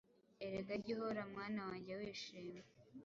Erega jya uhora mwana wanjye wishimye.